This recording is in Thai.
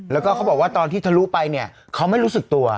แล้วก็เขาบอกว่าตอนที่ทะลุไปเนี่ยเขาไม่รู้สึกตัว